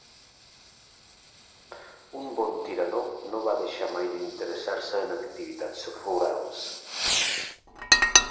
Un bon tirador, no va deixar mai d'interessar-se en activitats rurals.